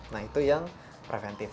nah itu yang preventif